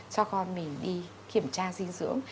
cho con mình đi kiểm tra dinh dưỡng